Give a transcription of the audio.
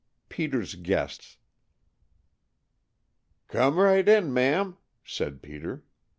PETER'S GUESTS "COME right in, ma'am," said Peter.